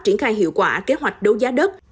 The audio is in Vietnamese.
triển khai hiệu quả kế hoạch đấu giá đất